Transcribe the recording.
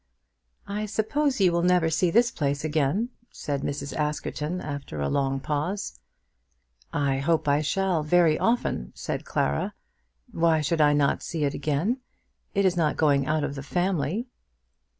"I suppose you will never see this place again?" said Mrs. Askerton after a long pause. "I hope I shall, very often," said Clara. "Why should I not see it again? It is not going out of the family."